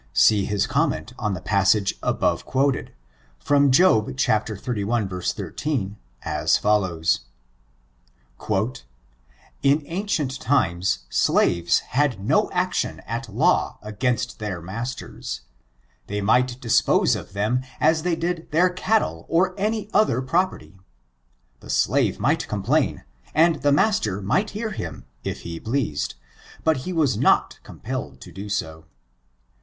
See his comment on the passage above quoted, from Job xxxi, 13, as follows: '^In ancient times, slaves had no action at law against their masters ; they might dispose of them as they did their cattle or any other property. The slave might complain, and the mas ter might hear him if he pleased, but he was not com pelled to do so.